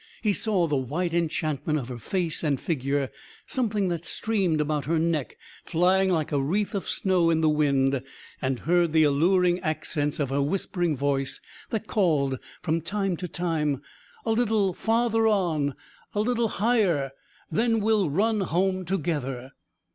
He saw the white enchantment of her face and figure, something that streamed about her neck flying like a wreath of snow in the wind, and heard the alluring accents of her whispering voice that called from time to time: "A little farther on, a little higher.... Then we'll run home together!"